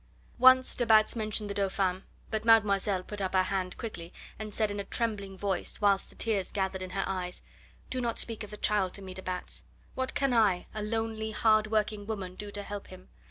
Once de Batz mentioned the Dauphin, but mademoiselle put up her hand quickly and said in a trembling voice, whilst the tears gathered in her eyes: "Do not speak of the child to me, de Batz. What can I, a lonely, hard working woman, do to help him?